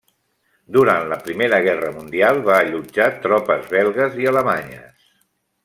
Durant la Primera Guerra Mundial va allotjar tropes belgues i alemanyes.